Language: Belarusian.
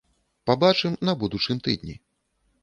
Пабачым на будучым тыдні.